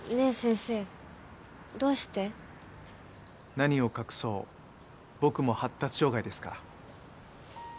何を隠そう僕も発達障害ですから。